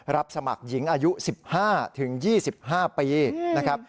รับสมัครหญิงอายุ๑๕ถึง๒๕ปี